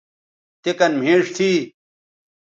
تے کن مھیݜ تھی